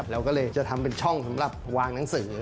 เราก็เลยจะทำเป็นช่องสำหรับวางหนังสือ